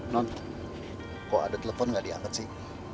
non kok ada telepon gak diangkat sih